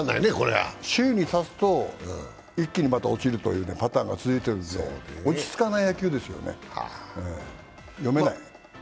首位に立つと一気にまた落ちるというパターンが続いていて落ち着かない野球ですよね、読めない。